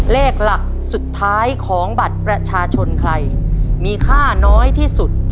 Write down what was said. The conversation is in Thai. เลขหลักสุดท้ายของบัตรประชาชนใครมีค่าน้อยที่สุด